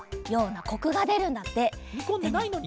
にこんでないのに？